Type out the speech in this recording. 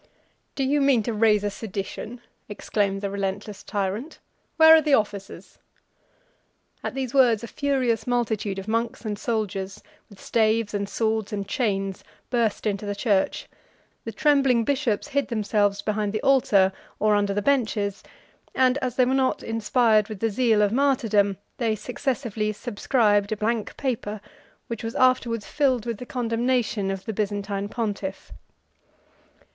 "Do you mean to raise a sedition?" exclaimed the relentless tyrant. "Where are the officers?" At these words a furious multitude of monks and soldiers, with staves, and swords, and chains, burst into the church; the trembling bishops hid themselves behind the altar, or under the benches, and as they were not inspired with the zeal of martyrdom, they successively subscribed a blank paper, which was afterwards filled with the condemnation of the Byzantine pontiff.